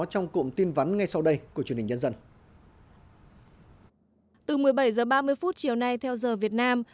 thông tin vắn ngay sau đây của chương trình nhân dân từ một mươi bảy h ba mươi phút chiều nay theo giờ việt nam